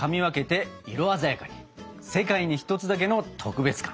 世界に一つだけの特別感！